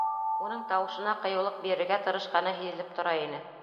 Уның тауышына ҡыйыулыҡ бирергә тырышҡаны һиҙелеп тора ине.